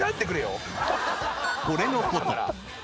［これのこと］